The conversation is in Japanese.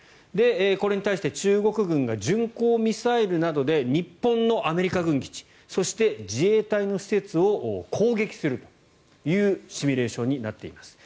これに対して中国軍が巡航ミサイルなどで日本のアメリカ軍基地そして自衛隊の施設を攻撃するというシミュレーションになっています。